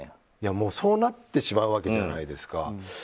もう、そうなってしまうわけじゃないですか。